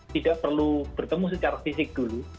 tidak perlu bertemu secara fisik dulu